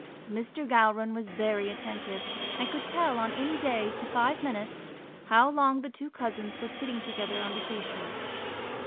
Mr. Gowran was very attentive, and could tell on any day, to five minutes, how long the two cousins were sitting together on the sea shore.